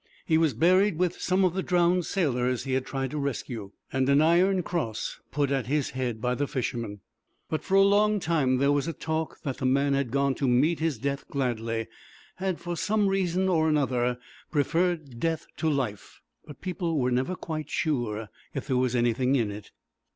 He was buried with some of the drowned sailors he had tried to rescue, and an iron cross put at his head by the fishermen. But for a long time there was a talk that the man had gone to meet his death gladly, had for some reason or another preferred death to life; but people were never quite sure if there was anything in it.